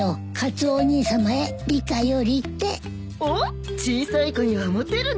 おっ小さい子にはモテるね。